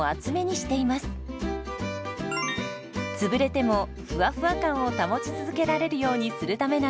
つぶれてもふわふわ感を保ち続けられるようにするためなんです。